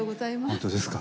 本当ですか？